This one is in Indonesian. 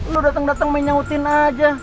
lo dateng dateng menyautin aja